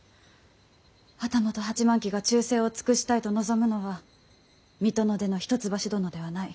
旗本８万騎が忠誠を尽くしたいと望むのは水戸の出の一橋殿ではない。